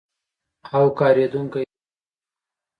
او کارېدونکی دی.